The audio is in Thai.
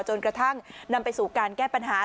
จนกระทั่งนำไปสู่การแก้ปัญหา